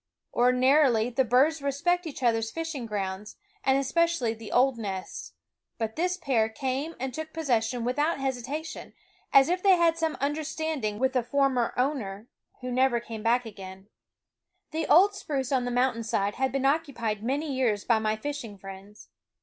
Ordinarily, the birds respect each other's fishing grounds, and especially the old nests; but this pair came and took possession without hesitation, as if they had some understanding with the former owner, who never came back again. THE WOODS & The old spruce on the mountain side had been occupied many years by my fishing friends.